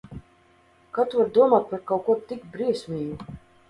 Kā tu vari domāt par kaut ko tik briesmīgu?